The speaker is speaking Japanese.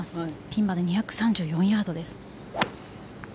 ピンまで２３４ヤードです。